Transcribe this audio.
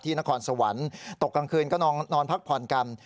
นครสวรรค์ตกกลางคืนก็นอนพักผ่อนกัน